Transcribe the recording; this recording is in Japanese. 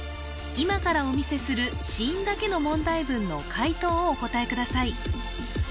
今からお見せする子音だけの問題文の解答をお答えください